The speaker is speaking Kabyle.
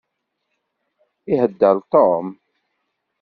Iheddeṛ Tom.